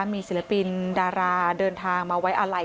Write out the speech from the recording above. มีศิลปินดาราเดินทางมาไว้อาลัย